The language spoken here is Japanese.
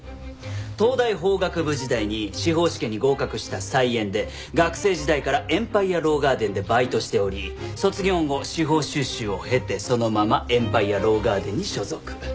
東大法学部時代に司法試験に合格した才媛で学生時代からエンパイヤ・ロー・ガーデンでバイトしており卒業後司法修習を経てそのままエンパイヤ・ロー・ガーデンに所属。